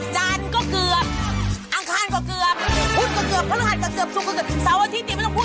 จันก็เกือบอังคารก็เกือบพุทธก็เกือบพระราชก็เกือบชุมก็เกือบ